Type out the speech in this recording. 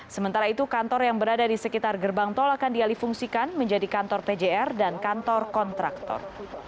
sementara itu kantor yang berada di sekitar gerbang tol akan dialih fungsikan menjadi kantor pjr dan kantor kontraktor